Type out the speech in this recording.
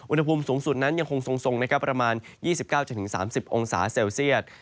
อุณหภูมิสูงสุดนั้นยังคงทรงนะครับประมาณ๒๙๓๐องศาเซลเซียต